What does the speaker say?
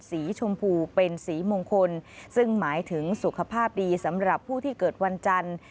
สีชมพูเป็นสีมงคลซึ่งหมายถึงสุขภาพดีสำหรับผู้ที่เกิดวันจันทร์